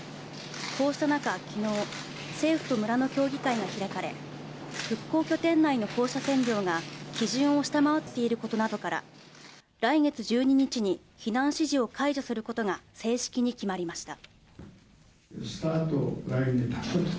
こうした中、昨日、政府と村の協議会が開かれ、基準を下回っていることなどから、来月１２日に避難指示を解除することが正式に決まりました。